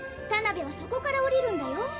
タナベはそこから下りるんだよ。